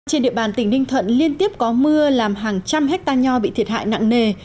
trên địa bàn tỉnh ninh thuận liên tiếp có mưa làm hàng trăm hectare nho bị thiệt hại nặng nề